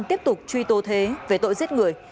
tiếp tục truy tố thế về tội giết người